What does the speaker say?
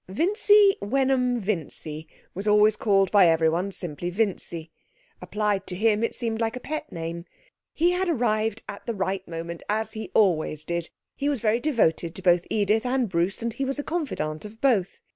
Vincy Wenham Vincy was always called by everyone simply Vincy. Applied to him it seemed like a pet name. He had arrived at the right moment, as he always did. He was very devoted to both Edith and Bruce, and he was a confidant of both.